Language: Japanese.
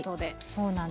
そうなんです。